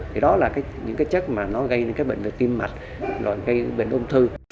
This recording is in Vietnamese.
thì đó là những cái chất mà nó gây đến các bệnh tim mạch loại gây đến bệnh ôm thư